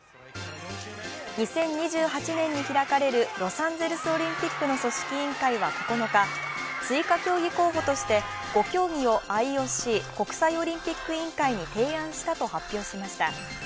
２０２８年に開かれるロサンゼルスオリンピックの組織委員会は９日、追加競技候補として５競技をＩＯＣ＝国際オリンピック委員会に提案したと発表しました。